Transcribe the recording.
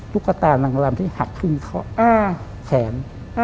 ลูกตานางรำที่หักขึ้นข้อแขน